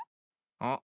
あっ？